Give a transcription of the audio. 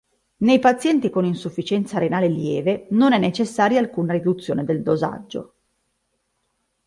Nei pazienti con insufficienza renale lieve non è necessaria alcuna riduzione del dosaggio.